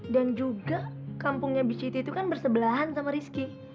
dan juga kampungnya bisiti itu kan bersebelahan sama rizky